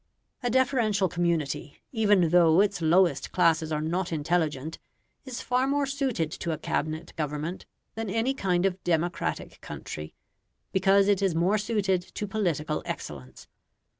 A deferential community, even though its lowest classes are not intelligent, is far more suited to a Cabinet government than any kind of democratic country, because it is more suited to political excellence.